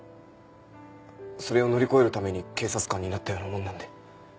それを乗り越えるために警察官になったようなもんなんで。